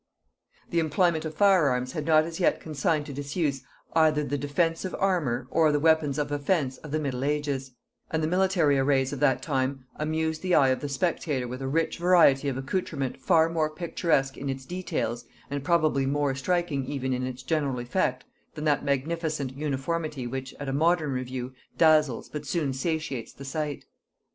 The employment of fire arms had not as yet consigned to disuse either the defensive armour or the weapons of offence of the middle ages; and the military arrays of that time amused the eye of the spectator with a rich variety of accoutrement far more picturesque in its details, and probably more striking even in its general effect, than that magnificent uniformity which, at a modern review, dazzles but soon satiates the sight.